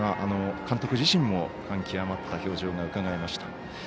監督自身も感極まった表情がうかがえました。